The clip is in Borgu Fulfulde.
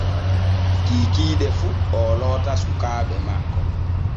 Kikiiɗe fu o loota sukaaɓe makko.